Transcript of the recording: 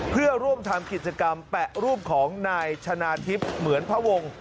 เพื่อร่วมทำกิจกรรมแปะรูปของนายชนะทิพย์เหมือนพระวงศ์